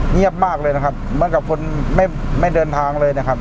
เงียบมากเลยนะครับเหมือนกับคนไม่เดินทางเลยนะครับ